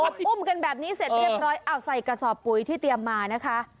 พออุ้มกันแบบนี้เสร็จเรียบร้อยเอาใส่กระสอบปุ๋ยที่เตรียมมานะคะ